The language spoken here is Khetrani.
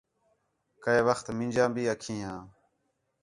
کَئے وخت مینجاں بھی اکھیں ھیاں